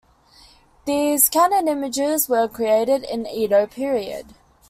These Kannon images were created in the Edo period.